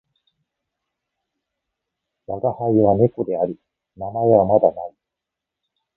わがはいは猫である。名前はまだ無い。